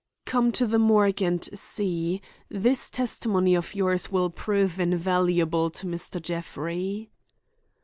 "Come to the morgue and see. This testimony of yours will prove invaluable to Mr. Jeffrey."